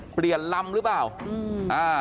เปลี่ยนลำหรือเปล่า